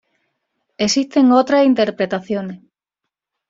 Existen otras interpretaciones.